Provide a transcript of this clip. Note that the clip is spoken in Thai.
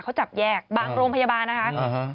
เขาจับแยกบางโรงพยาบาลนะคะ